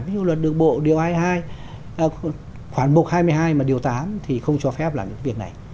ví dụ luật đường bộ điều hai mươi hai khoảng một hai mươi hai mà điều tám thì không cho phép làm được việc này